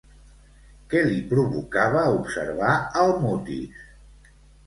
Què li provocava observar al Mutis?